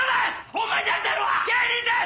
ホンマになりたいのは⁉芸人です！